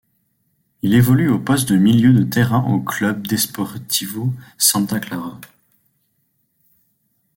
Il évolue au poste de milieu de terrain au Clube Desportivo Santa Clara.